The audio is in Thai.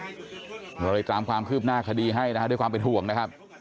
เราเลยตามความคืบหน้าคดีให้นะฮะด้วยความเป็นห่วงนะครับ